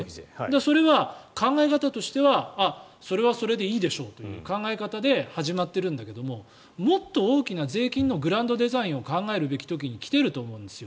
それは考え方としてはそれはそれでいいでしょうという考え方で始まってるんだけどもっと大きな税金のグランドデザインを考えるべき時に来ていると思うんですよ。